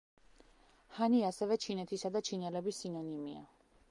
ჰანი ასევე ჩინეთისა და ჩინელების სინონიმია.